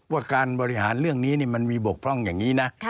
ว่าการบริหารเรื่องนี้มันมีบกพร่องอย่างนี้นะ